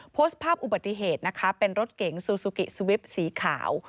โพสต์ภาพอุบัติเหตุนะคะเป็นรถเก๋งซูซูกิสวิปสีขาว